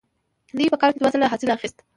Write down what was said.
دوی په کال کې دوه ځله حاصل اخیست.